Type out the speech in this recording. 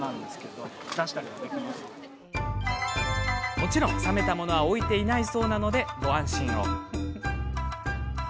もちろん、冷めたものは置いていないそうなのでご安心を。